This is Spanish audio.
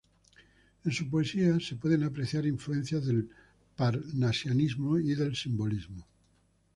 En su poesía, se pueden apreciar influencias del parnasianismo y del simbolismo.